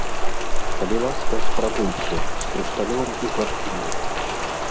Калі ласка, спрабуйце, з крышталём і парфумай.